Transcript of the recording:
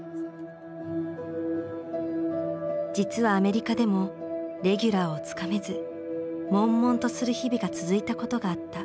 実はアメリカでもレギュラーをつかめずもんもんとする日々が続いたことがあった。